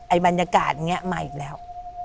ไอ้บรรยากาศเนี่ยมาอีกแล้ว